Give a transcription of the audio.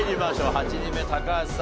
８人目高橋さん